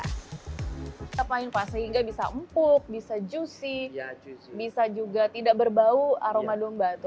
kita main pas sehingga bisa empuk bisa juicy bisa juga tidak berbau aroma domba